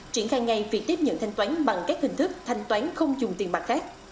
triển khai ngay việc tiếp nhận thanh toán bằng các hình thức thanh toán không dùng tiền mặt khác